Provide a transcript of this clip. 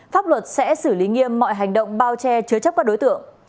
pháp luật sẽ xử lý nghiêm mọi hành động bao che chứa chấp các đối tượng